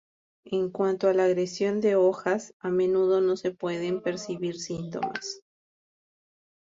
En cuanto a la ingestión de hojas, a menudo no se pueden percibir síntomas.